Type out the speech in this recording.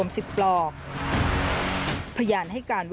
มันกลับมาแล้ว